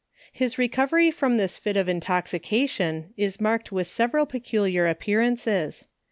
His recovery from this fit of intoxi cation is marked with several peculiar appearances.